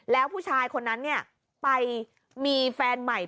แล้วผู้ชายคนนั้นไปมีแฟนใหม่